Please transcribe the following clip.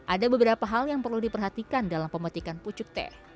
ada beberapa hal yang perlu diperhatikan dalam pemetikan pucuk teh